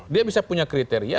dia bisa punya kriteria